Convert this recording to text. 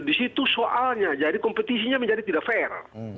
di situ soalnya jadi kompetisinya menjadi tidak fair